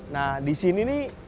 nah di sini ini